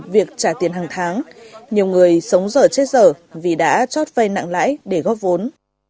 việc trả tiền hàng tháng nhiều người sống dở chết dở vì đã chót vay nặng lãi để góp vốn